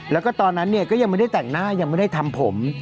แล้วก็ตอนนั้นเนี่ยก็ยังไม่ได้แต่งหน้ายังไม่ได้ทำผม